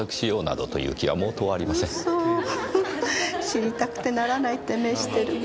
知りたくてならないって目してる。